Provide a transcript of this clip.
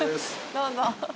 どうぞ。